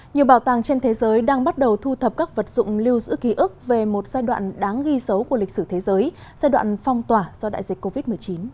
nhiều bảo tàng trên thế giới đang bắt đầu thu thập các vật dụng lưu giữ ký ức về một giai đoạn đáng ghi xấu của lịch sử thế giới giai đoạn phong tỏa do đại dịch covid một mươi chín